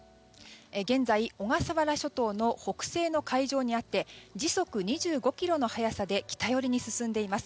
現在、小笠原諸島の北西の海上にあって時速２５キロの速さで北寄りに進んでいます。